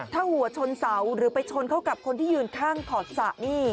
ถ้าหัวชนเสาหรือไปชนเข้ากับคนที่ยืนข้างขอบสระนี่